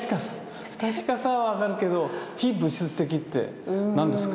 不確かさは分かるけど非物質的って何ですか？